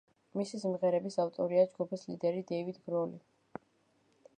მისი სიმღერების ავტორია ჯგუფის ლიდერი დეივ გროლი.